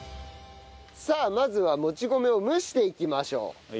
さあまずはもち米を蒸していきましょう。